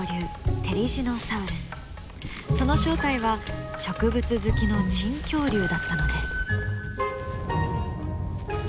その正体は植物好きの珍恐竜だったのです。